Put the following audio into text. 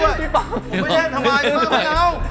ไม่ใช่ทำไมทำไม